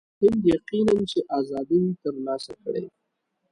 هند یقیناً چې آزادي ترلاسه کړي.